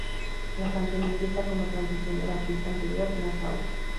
La canción empieza como transición de la pista anterior: "Nassau".